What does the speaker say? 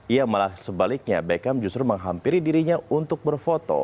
ia malah sebaliknya beckham justru menghampiri dirinya untuk berfoto